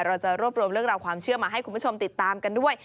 เราจะรวบรวมเรื่องราวความเชื่อมาให้คุณผู้ชมติดตามกันด้วย